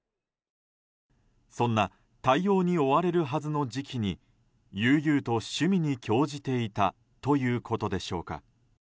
そんな対応に追われるはずの時期に悠々と趣味に興じていたということでしょうか。